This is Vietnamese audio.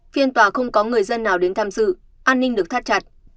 phiên tòa không có người dân nào đến tham dự an ninh được thắt chặt